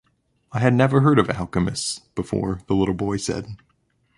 “I had never heard of alchemists before,” the little boy said.